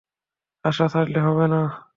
আশা ছাড়লে হবে না।